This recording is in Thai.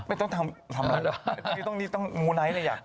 ไม่ต้องทำตรงนี้ต้องมูไนท์เลยอย่าง